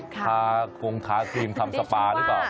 ทาคงทาครีมทำสปาหรือเปล่า